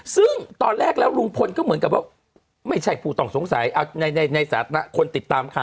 ซึ่งตอนแรกแล้วลุงพลก็เหมือนกับว่าไม่ใช่ผู้ต้องสงสัยในสถานะคนติดตามข่าว